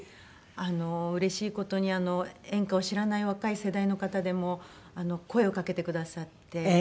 うれしい事に演歌を知らない若い世代の方でも声をかけてくださって。